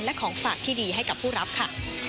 และของฝากที่ดีให้กับผู้รับค่ะ